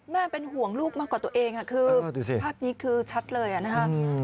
แม่เป็นห่วงลูกมากกว่าตัวเองคือภาพนี้คือชัดเลยนะคะ